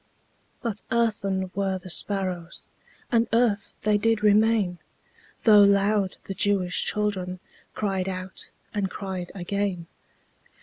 But earthen were the sparrows, And earth they did remain, Though loud the Jewish children Cried out, and cried again.